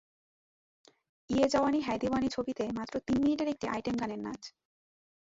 ইয়ে জাওয়ানি হ্যায় দিওয়ানি ছবিতে মাত্র তিন মিনিটের একটি আইটেম গানের নাচ।